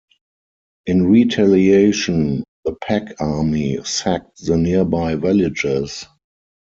In retaliation, the Pak army sacked the nearby villages.